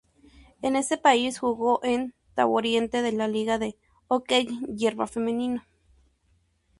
En ese país, jugó en Taburiente de la Liga de Hockey Hierba Femenino.